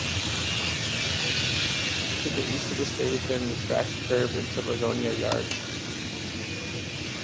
To the east of the station, the tracks curve into Livonia Yard.